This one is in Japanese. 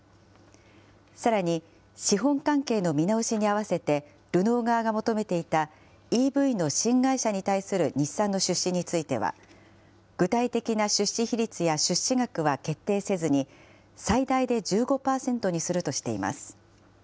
さらに、資本関係の見直しに合わせて、ルノー側が求めていたＥＶの新会社に対する日産の出資については、具体的な出資比率や出資額は決定せずに、最大で１５％にするとしています。